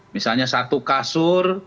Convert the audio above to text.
misalnya satu kasur